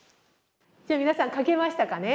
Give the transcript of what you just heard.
じゃあ皆さん書けましたかね？